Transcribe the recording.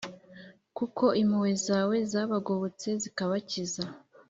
kuko impuhwe zawe zabagobotse, zikabakiza.